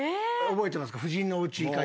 覚えてますか？